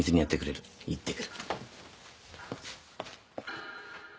行ってくる。